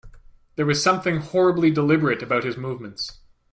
There was something horribly deliberate about his movements.